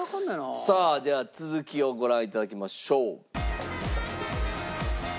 さあじゃあ続きをご覧頂きましょう。